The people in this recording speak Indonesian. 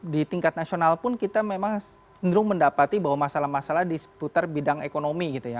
di tingkat nasional pun kita memang cenderung mendapati bahwa masalah masalah di seputar bidang ekonomi gitu ya